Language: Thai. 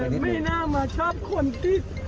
ไม่น่ามาชอบคนติด